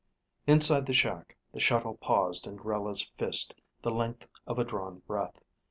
Inside the shack, the shuttle paused in Grella's fist the length of a drawn breath.